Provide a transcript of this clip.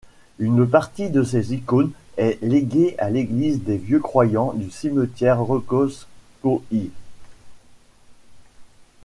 Une partie de ses icônes est léguée à l'église des vieux-croyants du cimetière Rogojskoïe.